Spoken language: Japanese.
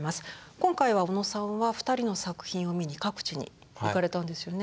今回は小野さんは２人の作品を見に各地に行かれたんですよね。